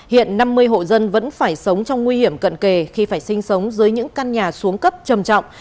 hiện năm mươi hộ dân vẫn phải sống trong nguy hiểm cận kề khi phải sinh sống dưới những căn nhà xuống cấp trầm trọng